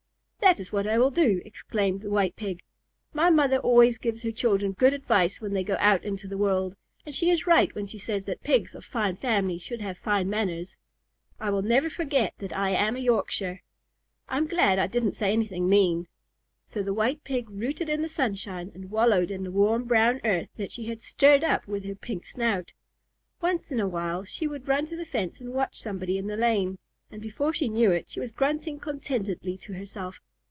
"That is what I will do," exclaimed the White Pig. "My mother always gives her children good advice when they go out into the world, and she is right when she says that Pigs of fine family should have fine manners. I will never forget that I am a Yorkshire. I'm glad I didn't say anything mean." So the White Pig rooted in the sunshine and wallowed in the warm brown earth that she had stirred up with her pink snout. Once in a while she would run to the fence to watch somebody in the lane, and before she knew it she was grunting contentedly to herself.